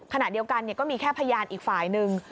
ขณะเดียวกันก็มีแค่พยานอีกฝ่ายหนึ่ง